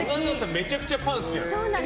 めちゃくちゃパン好きなんです。